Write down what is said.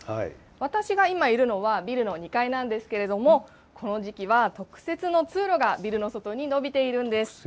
私が今いるのは、ビルの２階なんですけれども、この時期は特設の通路がビルの外に延びているんです。